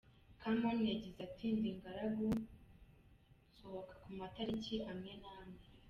Common yagize ati “Ndi ingaragu, nsohoka ku matariki amwe n’amwe.